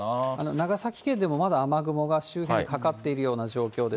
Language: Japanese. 長崎県でもまだ雨雲が周辺、かかっているような状況です。